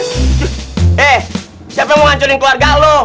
eh siapa yang mau ngancurin keluarga lo